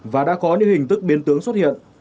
và đã có những hình thức biến tướng xuất hiện